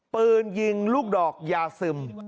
ปืนยิงลูกดอกยาซึม